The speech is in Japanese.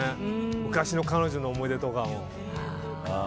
昔の彼女の思い出とかも。